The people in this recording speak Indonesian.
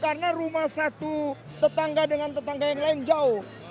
karena rumah satu tetangga dengan tetangga yang lain jauh